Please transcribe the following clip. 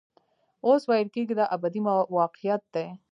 اوس ویل کېږي دا ابدي واقعیت دی.